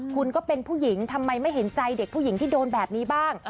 คุณก็เป็นผู้หญิงทำไมไม่เห็นใจเด็กผู้หญิงที่โดนแบบนี้บ้าง